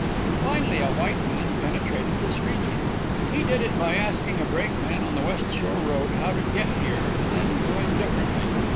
Finally a white man penetrated this region. He did it by asking a brakeman on the West Shore road how to get here and then doing differently.